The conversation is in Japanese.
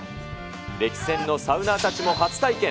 歴戦のサウナーたちも初体験。